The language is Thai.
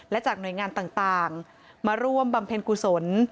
และจากหน่วยงานต่างมาร่วมบำเพ็ญกุศล